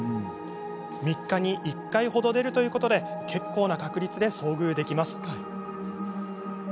３日に１回ほど出るということで結構な確率で遭遇できます。